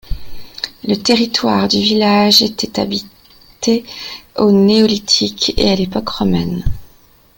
Le territoire du village était habité au Néolithique et à l'époque romaine.